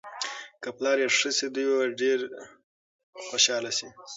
که پلار یې ښه شي، دوی به ډېر خوشحاله شي.